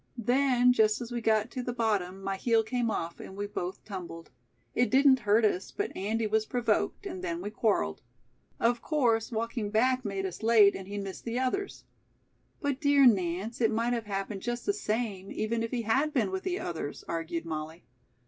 Then, just as we got to the bottom, my heel came off and we both tumbled. It didn't hurt us, but Andy was provoked, and then we quarreled. Of course, walking back made us late and he missed the others." "But, dear Nance, it might have happened just the same, even if he had been with the others," argued Molly.